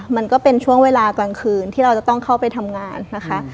มันก็เป็นช่วงเวลากลางคืนที่เราจะต้องเข้าไปทำงานนะคะ